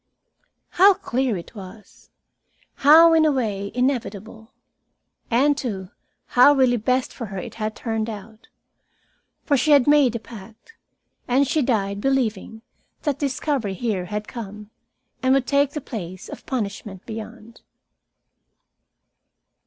How clear it was! How, in a way, inevitable! And, too, how really best for her it had turned out. For she had made a pact, and she died believing that discovery here had come, and would take the place of punishment beyond.